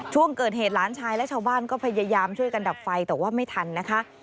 ช่วงเกิดเหตุหลานชายและชาวบ้านก็พยายามช่วยกันดับไฟแต่ว่าไม่ทันนะคะ